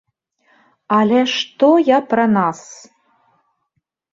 Але што я пра нас?